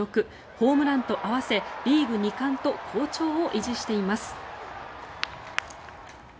ホームランと合わせリーグ２冠と好調を維持しています。